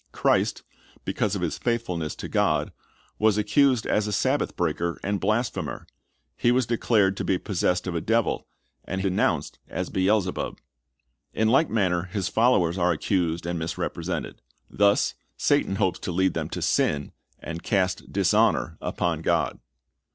Christ, because of His faithfulness to God, was accused as a Sabbath breaker and blasphemer. He was declared to be possessed of a devil, and was denounced as Beel/.cbub. In like manner His followers are accused and misrepresented. Thus Satan hopes to lead them to sin, and cast dishonor upon God.